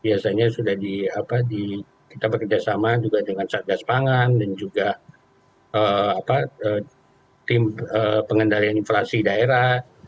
biasanya sudah kita bekerjasama juga dengan satgas pangan dan juga tim pengendalian inflasi daerah